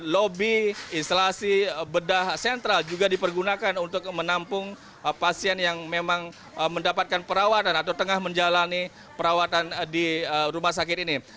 lobi instalasi bedah sentral juga dipergunakan untuk menampung pasien yang memang mendapatkan perawatan atau tengah menjalani perawatan di rumah sakit ini